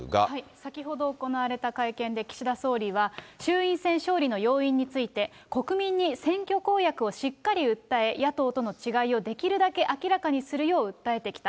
先ほど行われた会見で、岸田総理は衆院選勝利の要因について、国民に選挙公約をしっかり訴え、野党との違いをできるだけ明らかにするよう訴えてきた。